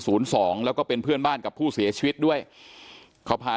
สองแล้วก็เป็นเพื่อนบ้านกับผู้เสียชีวิตด้วยเขาพา